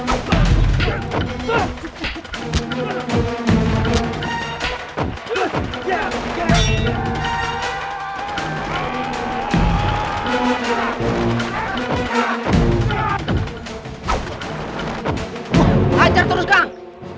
ajar terus kang